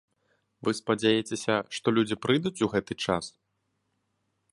Вы спадзеяцеся, што людзі прыйдуць у гэты час?